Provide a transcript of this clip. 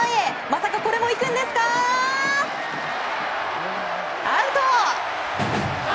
まさかこれも行くんですかアウト！